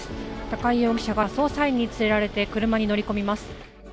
高井容疑者が捜査員に連れられて車に乗り込みます。